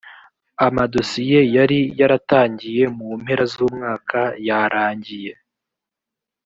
amadosiye yari yaratangiye mu mpera z umwaka yarangiye